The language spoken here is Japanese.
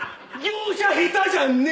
業者下手じゃんね！